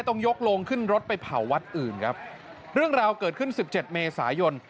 ต้องยกโรงขึ้นรถไปเผาวัดอื่นครับเรื่องราวเกิดขึ้นสิบเจ็ดเมษายน